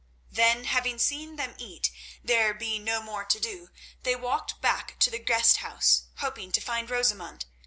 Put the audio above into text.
Then having seen them eat, there being no more to do, they walked back to the guest house, hoping to find Rosamund.